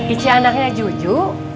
ice anaknya juju